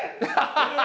ハハハハ！